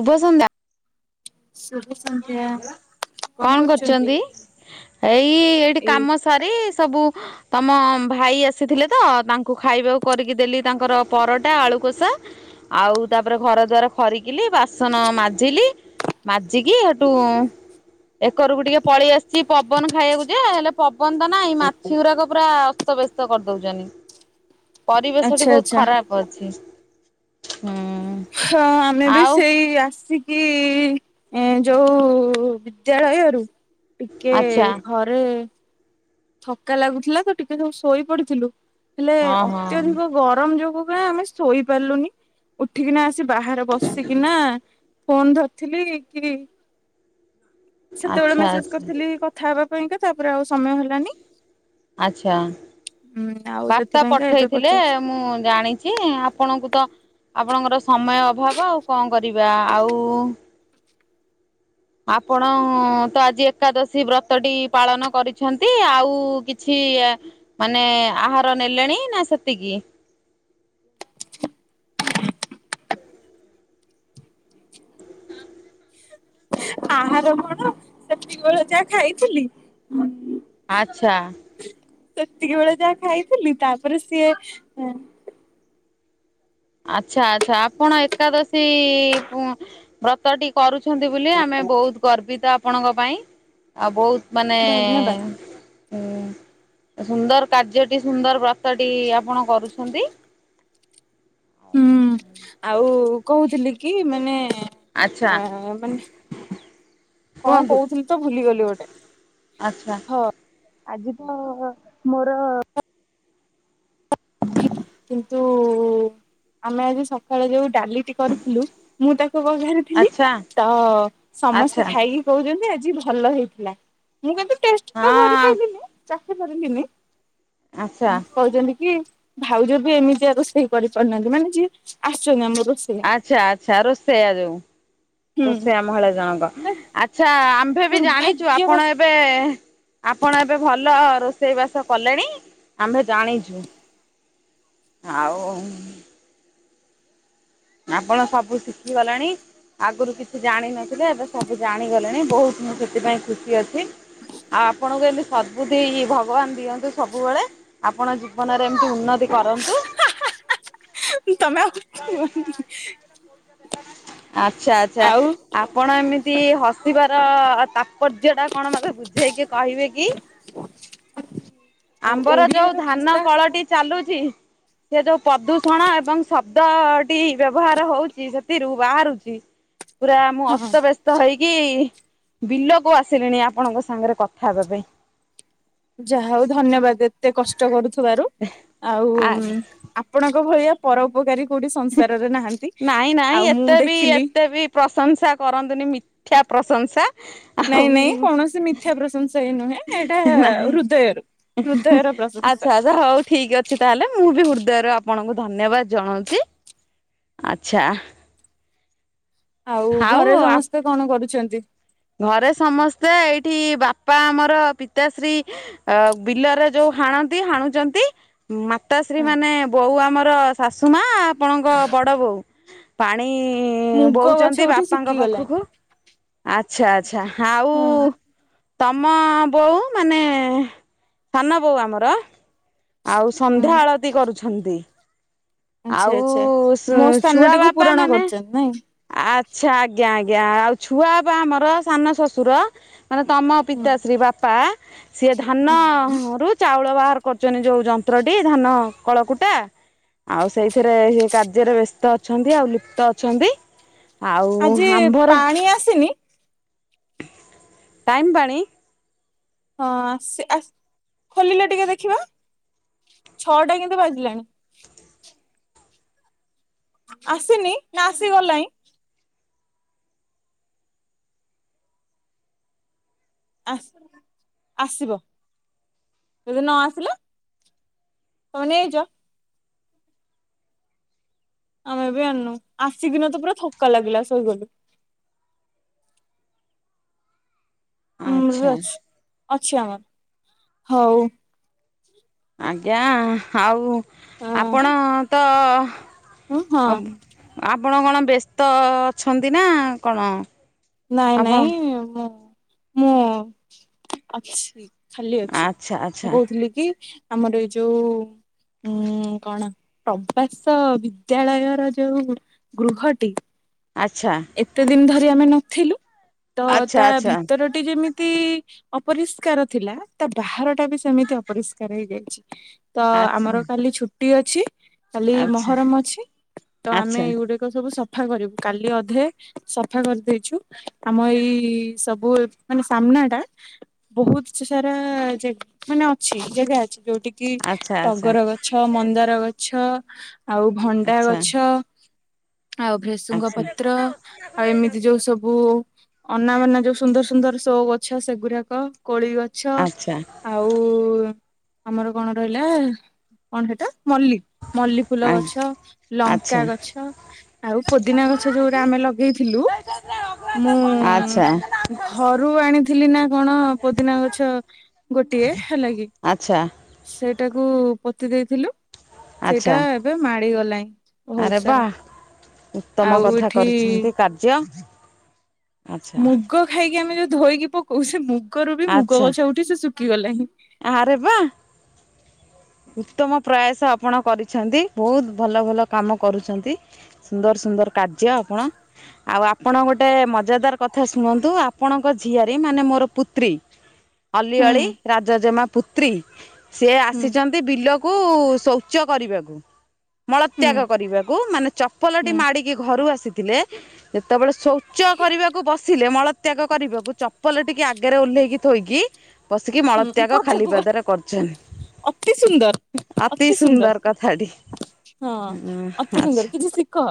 ଶୁଭ ସନ୍ଧ୍ୟା। ଶୁଭ ସନ୍ଧ୍ୟା କଣ କରୁଛନ୍ତି ଏଇ ଏଇଠି ଏଇ କାଠ ସଜାଡୁ ସାରି ସବୁ ତମ ଭାଇ ଆସିଥିଲେ ତ ତାଙ୍କୁ ଖାଇବାକୁ କରିକି ଦେଲି ତାଙ୍କର ପରଟା ଆଳୁକୋଷା। ଆଉ ତାପରେ ଘର ଦୁଆର ଖରିକିଲି ବାସନ ମାଜିଲି। ଜିଛି କି ହେଠୁ ଏକରକୁ ଟିକେ ପଳେଇ ଆସିଛି ପବନ ଖାଇବାକୁ ଯେ ହେଲେ ପବନ ତ ନାଇଁ ମାଛି ଗୁରାକ ପୁରା ଅସ୍ତବ୍ୟସ୍ତ କରିଦେଉଛନ୍ତି। ପରିବେଶଟି ଆଚ୍ଛା ବହୁତ୍ ଆଚ୍ଛା ଖରାପ ଅଛି ହୁଁ। ହଁ ଆମେ ବି ଆଉ ସେଇ ଆସି କି ଏ ଯୋଉ ବିଦ୍ୟାଳୟରୁ ଟିକେ ଆଚ୍ଛା ଘ ଏ ଥକା ଲାଗୁଥିଲା ତ ଟିକେ ସବୁ ଶୋଇ ପଡିଥିଲୁ ହେଲେ ହଁ ହଁ ଅତ୍ୟଧିକ ଗରମ ଯୋଗୁ ପା ଆମେ ଶୋଇପାରିଲୁନି ଉଠିକିନା ଆସି ବାହାରେ ବସିକିନା ଫୋନ ଧରିଥିଲି କି ସେତେବେଳେ ଆଚ୍ଛା ମେସେଜ ଆଚ୍ଛା କରିଥିଲି। କଥା ହେବା ପାଇଁକା ତାପରେ ଆଉ ସମୟ ହେଲାନି। ଆଛା ହୁଁ ଆଉ ବାର୍ତ୍ତା ସେଥିପାଇଁକା ଏବେ ପଠେଇଥିଲେ ପଚାରିଛି ମୁଁ ଜାଣି ଛି ଆପଣଙ୍କୁ ତ ଆପଣଙ୍କର ସମୟ ଅଭାବ ଆଉ କଣ କରିବା ଆଉ ଆପଣ ତ ଆଜି ଏକାଦଶୀ ବ୍ରତଟି ପାଳନ କରିଛନ୍ତି ଆଉ କିଛି ମାନେ ଆହାର ନେଲେଣି ନା ସେତିକି? ଆହୁରି ଆହାର କଣ ସେତିକି ବେଳେ ଯାହା ଖାଇଥିଲି। ଆଚ୍ଛା। ସେତିକି ବେଳେ ଯାହା ଖାଇଥିଲି ତାପରେ ସିଏ ଆଚ୍ଛା ଆଚ୍ଛା ଆପଣ ଏକାଦଶି ବ୍ରତ ଟି କରୁଛନ୍ତି ବୋଲି ଆମେ ବହୁତ ଗର୍ବିତ ଆପଣଙ୍କ ପାଇଁ। ଆଉ ବହୁତ ମାନେ ଧନ୍ୟବାଦ। ହୁଁ ସୁନ୍ଦର କାର୍ଯ୍ୟଟି ସୁନ୍ଦର ବ୍ରତଟି ଆପଣ କରୁଛନ୍ତି। ହୁଁ। ଆଉ କହୁଥିଲି କି ମାନେ ଆଚ୍ଛା ଅ ମାନେ କଣ କୁହନ୍ତୁ କହୁଥିଲି ତ ଭୁଲିଗଲି ଗୋଟେ। ଆଚ୍ଛା। ହଁ ଆଜି ତ ମୋର କିନ୍ତୁ ଆମେ ଆଜି ସକାଳେ ଯୋଉ ଡାଲିଟି କରିଥିଲୁ ମୁଁ ତାକୁ ବଘା ଥିଲି ଆଚ୍ଛା ତ ସମସ୍ତେ ଆଚ୍ଛା ଖାଇ କହୁଛନ୍ତି ଆଜି ଭଲ ହେଇଥିଲା ମୁଁ କିନ୍ତୁ ଟେଷ୍ଟ କରି ହଁ କହିଲି ଲେ ଚାଖିପାରିଲିନି ଆଚ୍ଛା କହୁଛନ୍ତି କି? ଭାଉଜ ବି ଏମିତିଆ ରୋଷେଇ କରିପାରୁନାହାନ୍ତି, ମାନେ ଯିଏ ଆସୁଛନ୍ତି ଆମ ରୋଷେଇ। ଆଛା ଆଚ୍ଛା ରୋଷେଇଆ ଯୋଉ ହୁଁ ରୋଷେଇଆ ମହିଳା ଜଣଙ୍କ ଆଚ୍ଛା ଆ ଏବେ ବି ଜାଣିଛୁ ଆପଣ ଦୁର୍ଭାଗ୍ୟବଶ ଏବେ ଆପଣ ଏବେ ଭଲ ରୋଷେଇ ବାସ କଲେଣି, ଆମ୍ଭେ ଜାଣିଛୁ। ଆଉ ଆପଣ ସବୁ ଶିଖିଗଲେଣି। ଆଗରୁ କିଛି ଜାଣିନଥିଲେ ଏବେ ସବୁ ଜାଣିଗଲେଣି ବୋହୁତ ମୁଁ ସେଥିପାଇଁ ଖୁସି ଅଛି। ଆଉ ଆପଣଙ୍କୁ ଏମିତି ସଦ୍ବୁଦ୍ଧି ଭଗବାନ ଦିଅନ୍ତୁ ସବୁବେଳେ। ଆପଣ ଜୀବନରେ ଏମିତି ଉନ୍ନତି କରନ୍ତୁ। ତମେ ଆଉ କୁହନି। ଆଚ୍ଛା ଆଚ୍ଛା ଆପଣ ଏମିତି ହସିବାର ତାପ ପର୍ଯଯ୍ୟୟ ଟା କଣ ମତେ ବୁଝେଇକି କହିବେ କି? ଆଉ ଆମ୍ଭ ର ଯୋଉ ଓଡିଆର ଧାନ ଭାଷା କଳଟି ଚାଲୁଚି ସେ ଯୋଉ ପ୍ରଦୂଷଣ ଏବଂ ଶବ୍ଦଟି ବ୍ୟବହାର ହୋଉ ସେଥିରୁ ବାହାରୁଚି ପୁରା ମୁଁ ହଁ ଅସ୍ତବ୍ୟସ୍ତ ତ ହେଇକି ବିଲକୁ ଆସିଲିଣି ଆପଣଙ୍କ ସାଙ୍ଗରେ କଥା ହେବା ପାଇଁ। ଯାହା ହଉ ଧନ୍ୟବାଦ ଏତେ କଷ୍ଟ କରୁଥିବାରୁ ଆଉ ଆଜ୍ଞା। ଆପଣଙ୍କ ଭଳିଆ ପରପକାରୀ କୋଉଠି ସଂସାରରେ ନାହାନ୍ତି। ନାଇଁ ନାଇଁ ଆଉ ମୁଁ ଏତେ ବି ଦେଖିଲି ଏତେ ବି ପ୍ରଶଂସା କରନ୍ତୁନି ମିଠା ପ୍ରଶଂସା। ଆଉ ନାଇଁ ନାଇଁ କୌଣସି ମିଥ୍ୟା ପ୍ରଶଂସା ଏଇ ନୁହେଁ। ଏଇଟା ନାହିଁ ହୃଦୟରୁ ହୃଦୟର ପ୍ରଶଂସା। ଆଛା ହଉ ଠିକ ଅଛି ତାହେଲେ ମୁଁ ବି ହୃଦୟରୁ ଆପଣଙ୍କୁ ଧନ୍ୟବାଦ ଜଣାଉଚି। ଆଚ୍ଛା। ଆଉ ଘରେ ସମସ୍ତେ କଣ କରୁଛନ୍ତି? ଘରେ ସମସ୍ତେ ଏଇଠି ବାପା ଆମର ପିତାଶ୍ରୀ ଅ ବିଲରେ ଯୋଉ ହାଣନ୍ତି ହାଣୁଛନ୍ତି। ମାତାଶ୍ରୀ ହଁ ମାନେ ବୋଉ ଆମର ଶାଶୁ ମା ଆପଣଙ୍କ ବଡ ବୋଉ। ପାଣି ମୁଗ ଗଛ ବୋଉଛନ୍ତି ଉଠି ବାପାଙ୍କ ଶୁଖିଗଲାଣି ପାଖକୁ। ଆଚଛା ଆଚଛା ଆଉ ହଁ ତମ ବୋଉ ମାନେ ସାନ ବୋଉ ଆମର। ଆଉ ସନ୍ଧ୍ୟା ହୁଁ ଆଳତି କରୁଛନ୍ତି। ଆଚ୍ଛା ଆଉ ଆଚ୍ଛା। ମୋ ସ୍ଥାନ ଛୁଆ ଟିକୁ ବାପା ପୂରଣ ମାନେ କରୁଛନ୍ତି ନାଇଁ। ଆଚ୍ଛା ଆଜ୍ଞା ଆଜ୍ଞା ଆଉ ଛୁଆ ବା ଆମର ସାନ ଶଶୁର। ମାନେ ତମ ହୁଁ ପିତାଶ୍ରୀ ବାପା। ସିଏ ହୁଁ ହୁଁ। ଧାନରୁ ଚାଉଳ ବାହାର କରୁଛନ୍ତି ଯୋଉ ଯନ୍ତ୍ରଟି ଧାନ କଳକୁଟା। ଆଉ ସେଇଥିରେ ସେ କାର୍ଯ୍ୟରେ ବ୍ୟସ୍ତ ଅଛନ୍ତି ଆଉ ଲୁପ୍ତ ଅଛନ୍ତି। ଆଉ ଆଜି ଆମ୍ଭର ପାଣି ଆସିନି? ଟାଇମ୍ ପାଣି ହଁ ଆସି ଆ ଖୋଲିଲେ ଟିକେ ଦେଖିବା ଛଅଟା କିନ୍ତୁ ବାଜିଲାଣି। ଆସିନି ନା ଆସିଗଲାଣି? ଆସ ଆସିବ ଯଦି ନ ଆସିଲ [unintelligible] ଆମେ ବି ଆଣନୁ ଆସିକିିନ ତ ପୁରା ଥକା ଲାଗିଲା ଶୋଇଗଲୁ। ଆଚ୍ଛା ଅଛି ଅଛି ଆମର ହଉ ଆଜ୍ଞା ଆଉ ଆପଣ ତ ହଁ ଆପଣ କଣ ବ୍ୟସ୍ତ ଅଛନ୍ତି ନା କଣ? ନାଇଁ ଆପଣ ନାଇଁ ମୁଁ ମୁଁ ଅଛି। ଖାଲି ଅଛି ଆଚ୍ଛା ଆଚ୍ଛା ମୁଁ କହୁଥିଲି କି ଆମର ଏଇ ଯୋଉ ଉୁଁ କଣ ପ୍ରବାସ ବିଦ୍ୟାଳୟର ଯୋଉ ଗୃହଟି ଆଚ୍ଛା। ଏତେ ଦିନ ଧରି ଆମେ ନଥିଲୁ ତ ଆଚ୍ଛା ତା ଭିତରଟି ଯେମିତି ଅପରିଷ୍କାର ଥିଲା ତା ବାହାର ଟା ବି ସେମିତି ଅପରିଷ୍କାର ହେଇଯାଇଛି। ତ ଆଚ୍ଛା ଆମର କାଲି ଛୁଟି ଅଛି କାଲି ମହରମ ଅଛି ତ ଆମେ ଆଚ୍ଛା ଏଇ ଗୁଟେ ସବୁ ସଫା କରିବୁ କାଲି ଅ ଧେ ସଫା କରିଦେଇଛୁ ଆମ ଏଇ ସବୁ ମାନେ ସାମ୍ନା ଟା। ବହୁତ ସାରା ମାନେ ଅଛି ଜାଗା ଅଛି ଯୋଉଠିକ କି ଆଚ୍ଛା ଟଗର ଗଛ, ମନ୍ଦାର ଗଛ ଆଉ ଭଣ୍ଡା ଗଛ ଆଉ ଭେସୁଙ୍ଗ ଆଚ୍ଛା ପତ୍ର ଆଉ ଏମିତି ଯୋଉ ଯୋଉ ସବୁ ଅନା ବନା ଯୋଉ ସୁନ୍ଦର ସୁନ୍ଦର ସୋ ଗଛ ସେଗୁଡାକ କୋଳି ଗଛ। ଛ ଆଚ୍ଛା ଆଚ୍ଛା ଆଚ୍ଛା ଆଉ ଆମର କଣ ରହିଲା କଣ ସେଇଟା ମଲ୍ଲି। ମଲ୍ଲି ଫୁଲ ଆଚ୍ଛା ଗଛ, ଲଙ୍କା ଗଛ ଆଉ ପୋଦିନା ଗଛ। ସେ ଯୋଉଟା ଆମେ ଲଗେଇଥିଲୁ ଆଚ୍ଛା ଆଚ୍ଛା ମୁଁ ଘରୁ ଆଣିଥିଲି ନା କଣ ପୋଦିନା ଗଛ। ଗୋଟିଏ ହେଲା କିି। ଆଚ୍ଛା। ସେଇଟାକୁ ପୋତି ଦେଇଥିଲୁ ଆଚ୍ଛା ସେଇଟା ଏବେ ମାଡି ଗଲାଣି ଆରେ ବହୁତ ବା ସାରା। ଉତ୍ତମ ଆଉ କଥା ଏଠି କରିଛନ୍ତି କାର୍ଯ୍ୟ। ଆଚ୍ଛା ମୁଗ ଖାଇକି ଆମେ ଯୋଉ ଧୋଇକି ପକଉ ସେ ମୁଗରୁ ବି ମୁଗ ଆଚ୍ଛା ଗଛ ଉଠି ସେ ଶୁଖିଗଲାଣିିଁ। ଆରେ ବା। ଉତ୍ତମ ପ୍ରୟାସ ଆପଣ କରିଛନ୍ତି ବହୁତ ଭଲ ଭଲ କାମ କରୁଛନ୍ତି। ସୁନ୍ଦର ସୁନ୍ଦର କାର୍ଯ୍ୟ ଆପଣ ଆଉ ଆପଣ ଗୋଟେ ମଜାଦାର କଥା ଶୁଣନ୍ତୁ ଆପଣଙ୍କ ଝିଆରୀ ମାନେ ମୋର ପୁତ୍ରୀ ହୁଁ ଅଲିଅଳି ରାଜଜେମା ପୁତ୍ରୀ ସିଏ ହୁଁ ଆସିଛନ୍ତି। ବିଲକୁ ଶୌଚ କରିବାକୁ ହୁଁ ମଳତ୍ୟାଗ କରିବାକୁ ମାନେ ଚ ପଲଟି ହୁଁ ମାଡ଼ିକି ଘରୁ ଆସିଥିଲେ। ଯେତେବେଳେ ଶୌଚ କରିବାକୁ ବସିଲେ ମଳତ୍ୟାଗ କରିବାକୁ ଚପଲ ଟିକେ ଆଗରେ ଓହ୍ଲେଇକି ଥୋଇକି ବସିକି ହୁଁ ମଳତ୍ୟାଗ ଖାଲି ପଦାକୁ ଗ ପଦରେ ଅତି ସୁନ୍ଦର କରୁଛନ୍ତି। ଅତି ସୁନ୍ଦର କଥାଟି। ହଁ ହଁ ଅତି ସୁନ୍ଦର ଆଚ୍ଛା କିଛି ସିଖ।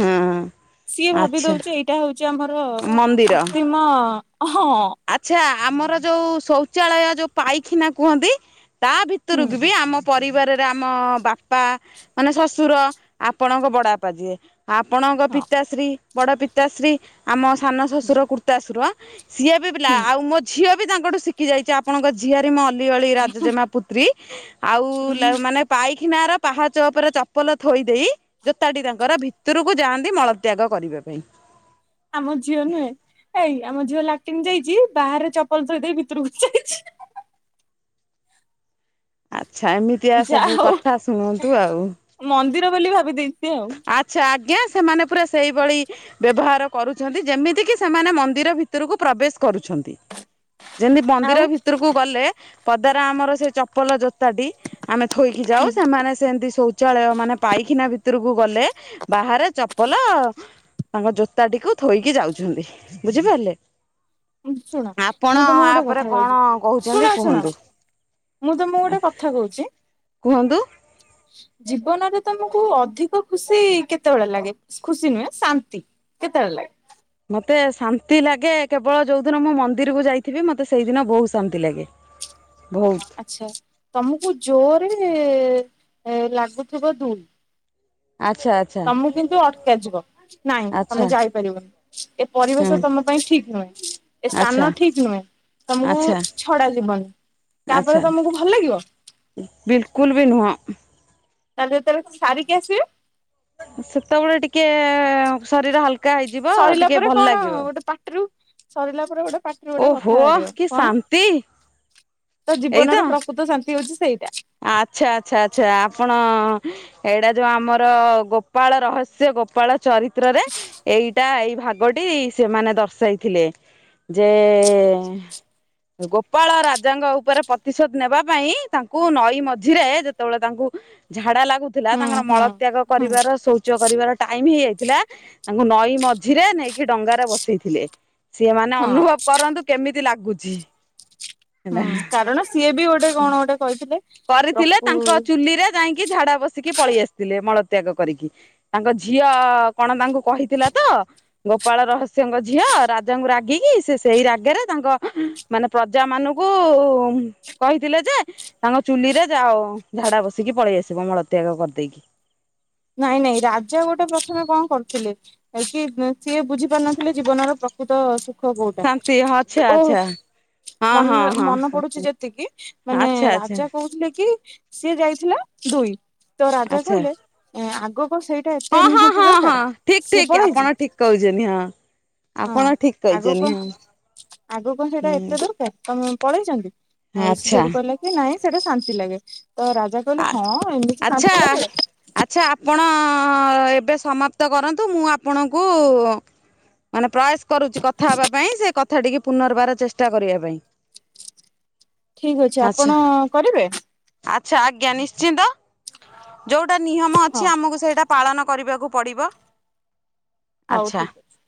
ହଁ ସିଏ ଭାବି ଆଚ୍ଛା ଦଉଛି ଏଇଟା ହଉଛି ଆମର ମନ୍ଦିର କୃତ୍ରିମ ହଁ। ଆଚ୍ଛା ଆମର ଯୋଉ ଶୌଚାଳୟ ଯୋଉ ପାଇଖାନା କୁହନ୍ତି। ତା ହୁଁ ଭିତରକୁ ବି ଆମ ପରିବାରରେ ଆମ ବାପା ମାନେ ଶ୍ୱଶୁର ଆପଣଙ୍କ ବଡାପା ଯିଏ। ଆପଣଙ୍କ ହଁ ପିତାଶ୍ରୀ ବଡ ପିତାଶ୍ରୀ ଆମ ସାନ ଶ୍ୱଶୁର କୁର୍ତ୍ତାଶୁର ସିଏ ବି ପିଲା ହୁଁ ଆଉ ମୋ ଝିଅ ବି ତାଙ୍କଠୁ ଶିଖି ଯାଇଛି। ଆପଣଙ୍କ ଝିଅରି ମୋ ଅଲି ଅଳି ରାଜଜେମା ପୁତ୍ରୀ ଆଉ ହୁଁ ମାନେ ପାଇଖାନାର ପାହାଚ ଉପରେ ଚପଲ ଥୋଇ ଦେଇ ଜୋତାଟି ତାଙ୍କର ଭିତରକୁ ଯାଆନ୍ତି ମଳତ୍ୟାଗ କରିବା ପାଇଁ। ଆମ ଝିଅ ନୁହେଁ ଏଇ ଆମ ଝିଅ ଲାଟିନ୍ ଯାଇଛି ବାହାରେ ଚପଲ ଥୋଇ ଦେଇ ଭିତରକୁ ଯାଇଛି। ଆଚ୍ଛା ଏମିତିଆ ଯା ସବୁ ହଉ କଥା ଶୁଣନ୍ତୁ ଆଉ। ମନ୍ଦିର ବୋଲି ଭାବି ଦେଇଛି ଆଉ। ଆଚ୍ଛା ଆଜ୍ଞା ସେମାନେ ପୁରା ସେଇଭଳି ବ୍ୟବହାର କରୁଛନ୍ତି ଯେମିତିକି ସେମାନେ ମନ୍ଦିର ଭିତରକୁ ପ୍ରବେଶ କରୁଛନ୍ତି। ଯେମିତି ମନ୍ଦିର ଆଉ ଭିତରକୁ ଗଲେ ପଦାରା ଆମର ସେ ଚପଲ ଜୋତାଟି ଆମେ ଥୋଇକି ଯାଉ ସେମାନେ ସେମିତି ଶୌଚାଳୟ ମାନେ ପାଇଖିନା ବି ଭିତରକୁ ଗଲେ ବାହାରେ ଚପଲ ତାଙ୍କ ଜୋତାଟିକୁ ଥୋଇକି ଯାଉଛନ୍ତି ବୁଝିପାରିଲେ। ଶୁଣ ମୁଁ ଆପଣ ତମକୁ ଗୋଟେ କଥା ଆପରେ କହୁଛି କଣ ଶୁଣ କୋହୁଚନ୍ତି ଶୁଣ କୁହନ୍ତୁ? ମୁଁ ତମକୁ ଗୋଟେ କଥା କୋହୁଚି। କୁହନ୍ତୁ। ଜୀବନରେ ତମକୁ ଅଧିକ ଖୁସି କେତୋଳେ ଲାଗେ ଖୁସି ନୁହେଁ ଶାନ୍ତି। କେତୋଳେ ଲାଗେ? ମତେ ଶାନ୍ତି ଲାଗେ କେବଳ ଯୋଉ ଦିନ ମୁଁ ମନ୍ଦିରକୁ ଯାଇଥିବି ମତେ ସେଇଦିନ ବୋହୁତ ଶାନ୍ତି ଲାଗେ। ଭୋଉ ଆଚ୍ଛା ତମୁକୁ ଜୋଓରେ ଏ ଲାଗୁଥୁବ ଦୁଇ ଆଚ୍ଛା ଆ ତମୁ କିନ୍ତୁ ଅଟକା ଯିବ ନାଇଁ ଆଚ୍ଛା ତମେ ଯାଇପାରିବନି। ଏ ହୁଁ ପରିବେଶ ତମ ପାଇଁ ଠିକ ନୁହେଁ, ଏ ଆଚ୍ଛା ସ୍ଥାନ ଠିକ ନୁହେଁ। ତମୁକୁ ଆଚ୍ଛା ଛଡା ଯିବନି ଆଚ୍ଛା ତାପରେ ତମୁକୁ ଭଲ ଲାଗିବ? ବିଲକୁଲ ବି ନୁହଁ। ତାହେଲେ ଯେତେବେଳ ଶାରିକି ଆସିବେ? ସେତେବେଳେ ଟିକେ ଶରୀର ହାଲକା ହେଇଯିବ ସରିଲା ଟିକେ ପରେ ଭଲ କଣ ଲାଗିବ। ଗୋଟେ ପାଟିରୁ ସରିଲା ପରେ ଗୋଟେ ପା ଗୋଟେ କଥା ଓହୋ ବାହାରିବ କି କଣ ଶାନ୍ତି ତ ଏଇତ ଜୀବନର ପ୍ରକୃତ ଶାନ୍ତି ହୋଉଚି ସେଇଟା। ଆଚ୍ଛା ଆଚ୍ଛା ଆଚ୍ଛା ଆପଣ ଏଇଟା ଯୋଉ ଆମର ଗୋପାଳ ରହସ୍ୟ ଗୋପାଳ ଚରିତ୍ରରେ ଏଇଟା ଏଇ ଭାଗଟି ସେମାନେ ଦର୍ଶାଇଥିଲେ ଯେ ଗୋପାଳ ରାଜାଙ୍କ ଉପରେ ପ୍ରତିଶୋଧ ନେବା ପାଇଁ ତାନ୍ ତାଙ୍କୁ ନଈ ମଝିରେ ଯେତେବେଳେ ତାଙ୍କୁ ଝାଡା ଲା ଗୁଥୁଲା ହୁଁ ତାଙ୍କର ହୁଁ ମଳ ତ୍ୟାଗ ହୁଁ କରିବାର ଶୌଚ କରିବାର ଟାଇମ ହେଇଯାଇଥିଲା ତାଙ୍କୁ ନଈ ମଝିରେ ନେଇକି ଡଙ୍ଗାରେ ବସେଇଥିଲେ ସିଏ ମାନେ ହଁ ଅନୁଭବ କରନ୍ତୁ କେମିତି ଲାଗୁଚି। ହୁଁ କାରଣ ସିଏ ବି ଗୋଟେ କଣ ଗୋଟେ କହିଥିଲେ। କରିଥିଲେ ପ୍ରକୁ ତାଙ୍କ ଚୁଲିରେ ଯାଇଁକି ଝାଡା ବସିକି ପଳି ଆସିଥିଲେ ମଳତ୍ୟାଗ କରିକି। ତାଙ୍କ ଝିଅ କଣ ତାଙ୍କୁ କହିଥିଲା ତ ଗୋପାଳ ରହସ୍ୟଙ୍କ ଝିଅ ରାଜାଙ୍କୁ ରାଗିକି ସେ ସେଇ ରାଗେରେ ତାଙ୍କ ମାନେ ପ୍ରଜାମାନଙ୍କୁ କହିଥିଲେ ଯେ ତାଙ୍କ ଚୁଲିରେ ଯାଅ ଝାଡା ବସିକି ପଳେଇ ଆସିବ ମଳତ୍ୟାଗ କରିଦେଇକି। ନାଇଁ ନାଇଁ ରାଜା ଗୋଟେ ପ୍ରଥମେ କଣ କରୁଥିଲେ। ହେଇକି ଉଁ ସିଏ ବୁଝି ପାରୁନଥିଲେ ଜୀବନର ପ୍ରକୃତ ସୁ ଖ କୋଉଟା ଶାନ୍ତି ହଁ ଆଚ୍ଛା ଓହୋ ଆଚ୍ଛା ହଁ ହଁ ମନ ହଁ ମନ ପଡୁଚି ଯେତିକି ମାନେ ଆଚ୍ଛା ଆଚ୍ଛା ରାଜା କୋହୁଥିଲେ କି ସିଏ ଯାଇଥିଲା ଦୁଇ ତ ରାଜା ଆଚ୍ଛା। କହିଲେ ଏଁ ଆଗ କଣ ସେଇଟା ଏତେ ହଁ ନିହାତି ଦରକାର ସିଏ ପଳେଇଚି କୋହୁଚନ୍ତି ହଁ। ହଁ ଆପଣ ଠିକ ଆଗ କହିଛନ୍ତି କଣ ହଁ ଆଗ କଣ ସେଇଟା ହୁଁ ଏତେ ଦରକାର। ତମେ ପଳେଇଚନ୍ତି ଆଉ ସେ ଆଚ୍ଛା ସେଇଠୁ କହିଲା କି ନାଇଁ ସେଇଟା ଶାନ୍ତି ଲାଗେ ତ ରାଜା ଆ କହଲେ ହଁ ଏମିତି ଆଚ୍ଛା ସାନ୍ତି ଲାଗେ। ଆଚ୍ଛା ଆପଣ ଏବେ ସମାପ୍ତ କରନ୍ତୁ ମୁଁ ଆପଣଙ୍କୁ ମାନେ ପ୍ରୟାସ କରୁଚି କଥା ହବା ପାଇଁ ସେ କଥାଟିକେ ପୁନର୍ବାର ଚେଷ୍ଟା କରିବା ପାଇଁ। ଠିକ ଅଛି ଆଚ୍ଛା ଆପଣ କରିବେ? ଆଚ୍ଛା ଆଜ୍ଞା ନିଶ୍ଚିନ୍ତ ଯୋଉଟା ନିୟମ ହଁ ଅଛି ଆମକୁ ସେଇଟା ପାଳନ କରିବାକୁ ପଡ଼ିବ। ହୋଉ ଆଚ୍ଛା ଠିକ୍ ଅଛି।